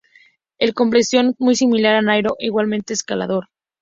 Es de complexión muy similar a Nairo e igualmente escalador.